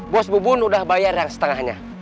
bos bubun udah bayar yang setengahnya